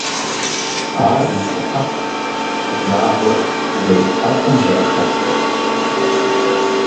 Ар и щыхьэтт унагъуэр жей ӀэфӀым зэрыхэтым.